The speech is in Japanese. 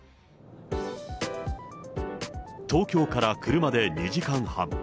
東京から車で２時間半。